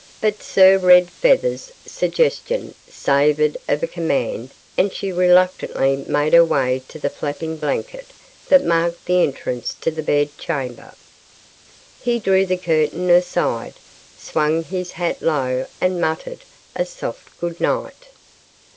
But Sir Red feather's suggestion savored of a command and she reluctantly made her way to the flapping blanket that marked the entrance to the bed chamber. He drew the curtain aside, swung his hat low and muttered a soft goodnight.